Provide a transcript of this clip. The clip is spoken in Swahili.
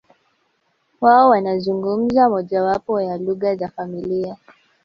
Wao wanazungumza mojawapo ya lugha za familia